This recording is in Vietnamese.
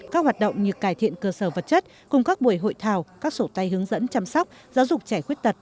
các hoạt động như cải thiện cơ sở vật chất cùng các buổi hội thảo các sổ tay hướng dẫn chăm sóc giáo dục trẻ khuyết tật